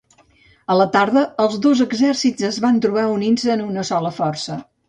A la tarda, els dos exèrcits es van trobar unint-se en una sola força.